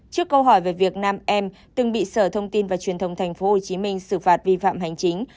trước câu hỏi về việc nam em từng bị sở thông tin và truyền thông tp hcm xử phạt vi phạm hành chính